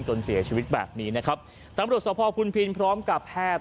จนเสียชีวิตแบบนี้นะครับตำรวจสภคุณพินพร้อมกับแพทย์